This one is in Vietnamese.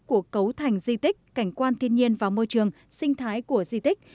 của cấu thành di tích cảnh quan thiên nhiên và môi trường sinh thái của di tích